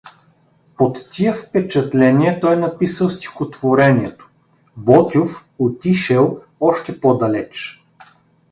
Под тия впечатления той написал стихотворението: Ботйов отишел още по-далеч.